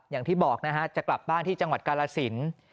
อย่างที่บอกนะฮะจะกลับบ้านที่จังหวัดกาลสิน